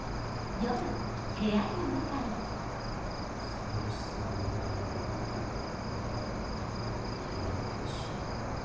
寂しさを埋められれば俺の勝ち。